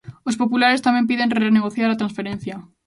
Os populares tamén piden renegociar a transferencia.